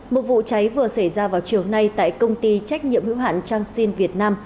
một vụ cháy vừa xảy ra vào chiều nay tại công ty trách nhiệm hữu hạn changxin việt nam